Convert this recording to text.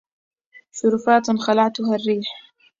شرفاتٍ خلعتها الريحُ..